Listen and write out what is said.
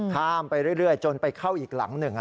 ข้ามไปเรื่อยจนไปเข้าอีกหลังหนึ่ง